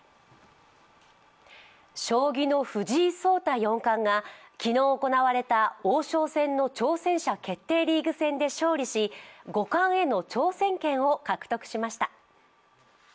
将棋の藤井聡太四冠が昨日行われた王将戦の挑戦者決定リーグ戦で勝利し、五冠への挑戦権を獲得しました。